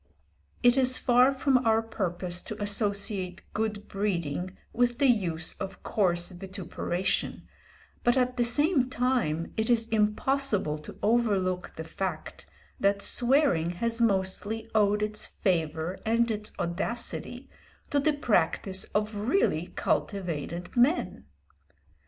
It is far from our purpose to associate good breeding with the use of coarse vituperation, but at the same time it is impossible to overlook the fact that swearing has mostly owed its favour and its audacity to the practice of really cultivated men.